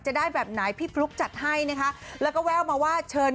ใช่ค่ะเอาไปฟังเสียงกันหน่อยจ้า